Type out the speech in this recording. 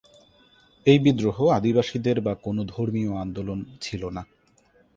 এই বিদ্রোহ আদিবাসীদের বা কোনো ধর্মীয় আন্দোলন ছিলো না।